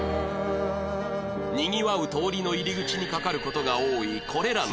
にぎわう通りの入り口に架かる事が多いこれらのアーチ